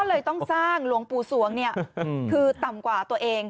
เลยต้องสร้างหลวงปู่สวงคือต่ำกว่าตัวเอง